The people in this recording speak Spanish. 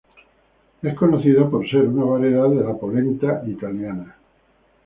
Es conocida por ser una variedad de la polenta italiana.